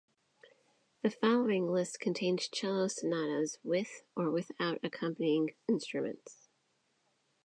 The following list contains cello sonatas with or without accompanying instruments.